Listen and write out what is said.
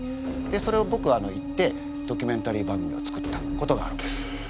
でそれをぼくは行ってドキュメンタリー番組を作ったことがあるんです。